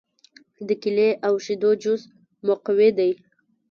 د کیلې او شیدو جوس مقوي دی.